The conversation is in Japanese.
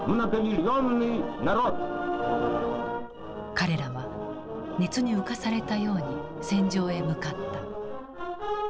彼らは熱に浮かされたように戦場へ向かった。